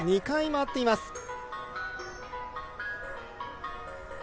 ２回回っています。